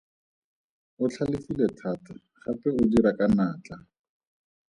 O tlhalefile thata gape o dira ka natla.